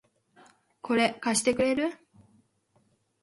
これ、貸してくれる？